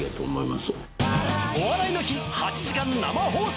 「お笑いの日」８時間生放送！